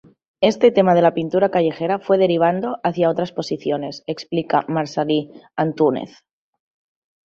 Este tema de la pintura callejera fue derivando hacia otras posiciones" explica Marcel.lí Antúnez.